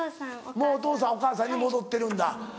もうお父さんお母さんに戻ってるんだ。